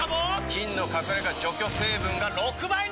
菌の隠れ家除去成分が６倍に！